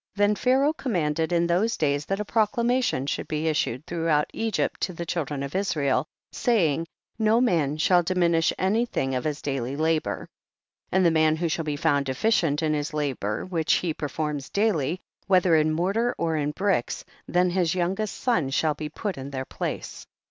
Then Pharaoh commanded in those days that a proclamation should be issued throughout Egypt to the children of Israel, saying, no man shall diminish any thing of his daily labor. 6. And the man who shall be found deficient in his labor which he per forms daily, whether in mortar or in bricks, then his youngest son shall be put in their place.